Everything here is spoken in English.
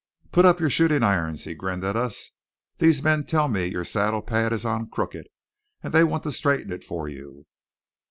"Put up your shooting irons," he grinned at us. "These men tell me your saddle pad is on crooked and they want to straighten it for you."